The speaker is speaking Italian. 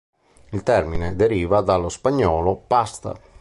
Il termine deriva dallo spagnolo "pasta".